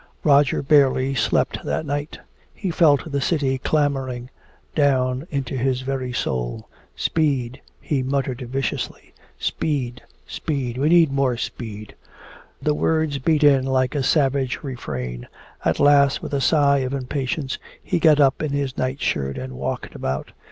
Roger barely slept that night. He felt the city clamoring down into his very soul. "Speed!" he muttered viciously. "Speed speed! We need more speed!" The words beat in like a savage refrain. At last with a sigh of impatience he got up in his nightshirt and walked about.